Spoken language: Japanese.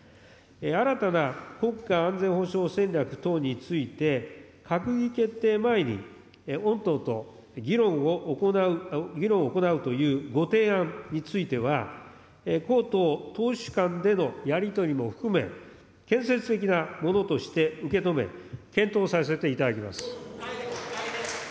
新たな国家安全保障戦略等について、閣議決定前に御党と議論を行うというご提案については、こうとう党首間でのやり取りも含め、建設的なものとして受け止め、検討させていただきます。